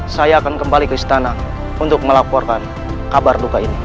saya akan kembali ke istana untuk melaporkan kabar duka ini